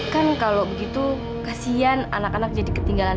kan kalau begitu kasian anak anak jadi ketinggalan